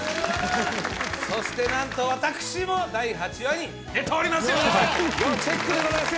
そしてなんと私も第８話に出ております！